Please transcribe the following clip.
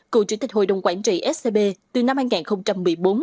cựu chủ tịch hội đồng quản trị scb từ năm hai nghìn một mươi bốn